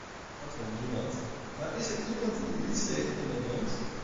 Dat wil niemand, maar is er iemand die hier iets tegen onderneemt?